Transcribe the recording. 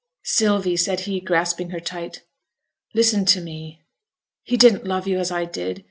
'Sylvie!' said he, grasping her tight. 'Listen to me. He didn't love yo' as I did.